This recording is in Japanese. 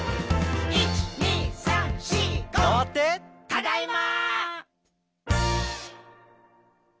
「ただいま！」